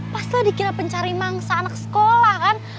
pas lo dikira pencari mangsa anak sekolah kan